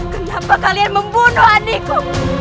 kenapa kalian membunuh andi ku